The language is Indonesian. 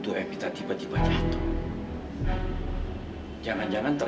gue juga gak bisa sama epita